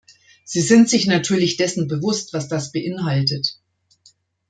Sie sind sich natürlich dessen bewusst, was das beinhaltet.